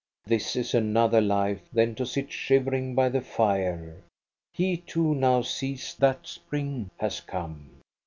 This is another life than to sit shivering by the fire ; he too now sees that spring has come.